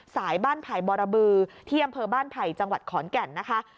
สายบ้านไผ่บรบือที่อำเภอบ้านไผ่จังหวัดขอนแก่นนะคะ